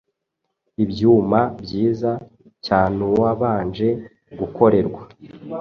Ibyuma byiza cyaneuwabanje gukorerwa